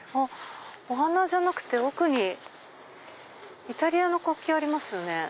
お花じゃなくて奥にイタリアの国旗ありますよね。